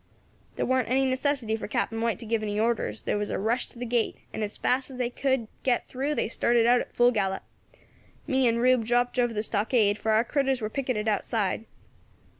"There warn't any necessity for Captain White to give any orders; there was a rush to the gate, and as fast as they could get through they started out at full gallop. Me and Rube dropped over the stockade, for our critters war picketed outside.